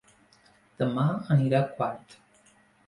Dema aniré a Quart